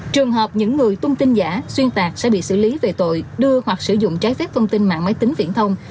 trường hợp những người tung tin giả xuyên tạc sẽ bị xử lý về tội đưa hoặc sử dụng trái phép thông tin mạng máy tính viễn thông